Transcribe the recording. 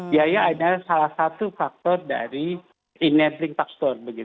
biaya adalah salah satu faktor dari enabling factor begitu